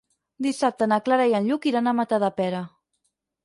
Dissabte na Clara i en Lluc iran a Matadepera.